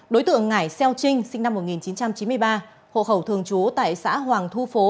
đối tượng ngải xeo trinh sinh năm một nghìn chín trăm chín mươi ba hộ khẩu thường trú tại xã hoàng thu phố